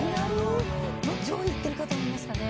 もっと上位いってるかと思いましたね。